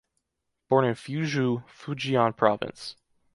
Born in Fuzhou, Fujian Province.